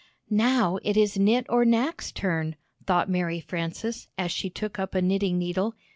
"Now, it is Knit or Knack's turn," thought Mary Frances, as she took up a knitting needle.